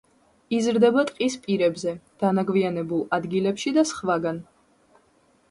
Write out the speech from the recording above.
იზრდება ტყის პირებზე, დანაგვიანებულ ადგილებში და სხვაგან.